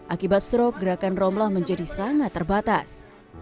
akibat strok gerakan romlah menjadi sangat terbatas